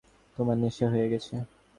তোমার নেশা হয়ে গেছে।